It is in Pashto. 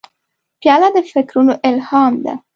پیاله د فکرونو الهام ده.